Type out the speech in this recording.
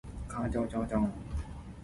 鴟鴞